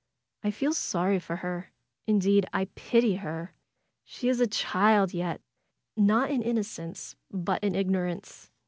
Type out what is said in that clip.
"I feel sorry for her. Indeed, I pity her! She is a child yet; not in innocence, but in ignorance.